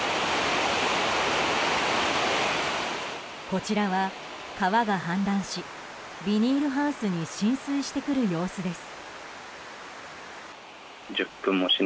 こちらは、川が氾濫しビニールハウスに浸水してくる様子です。